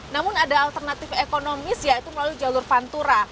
namun ada alternatif ekonomis yaitu melalui jalur pantura